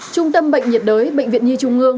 trung tâm bệnh nhiệt đới bệnh viện nhi trung ương